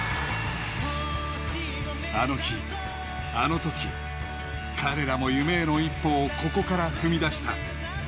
あの日、あのとき、彼らも夢への一歩をここから踏み出した。